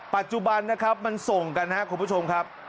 ปัจจุบันนะครับมันส่งกันครับคุณผู้ชมครับ